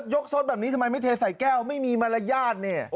นัดยกซดแบบนี้ทำไมไม่เทใส่แก้วไม่มีมารยาท